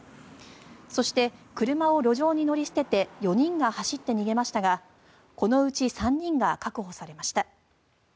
そして、車を路上に乗り捨てて４人が走って逃げましたがこのうち３人が確保されました。